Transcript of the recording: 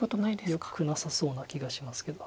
よくなさそうな気がしますけど。